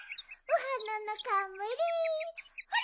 おはなのかんむりほら！